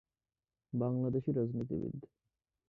বাংলাদেশী রাজনীতিবিদ।